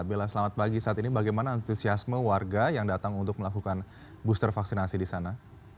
bella selamat pagi saat ini bagaimana antusiasme warga yang datang untuk melakukan booster vaksinasi di sana